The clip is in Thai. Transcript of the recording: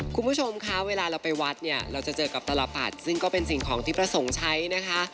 คุณผู้ชมคะเวลาเราไปวัดเนี่ยเราจะเจอกับตลปัดซึ่งก็เป็นสิ่งของที่พระสงฆ์ใช้นะคะ